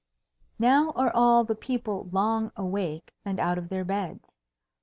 Now are all the people long awake and out of their beds.